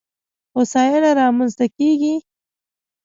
هوساینه رامنځته کېږي.